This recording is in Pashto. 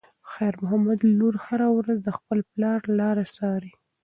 د خیر محمد لور هره ورځ د خپل پلار لاره څاري.